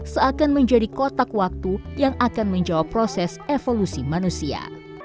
seakan menjadi kotak waktu yang akan menjawab proses evolusi manusia